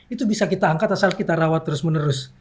itu bisa kita angkat asal kita rawat terus menerus